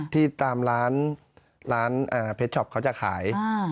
ที่ตามร้านเพชรช็อปเขาจะขาย